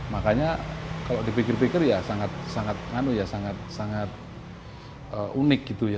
makanya kalau dipikir pikir ya sangat unik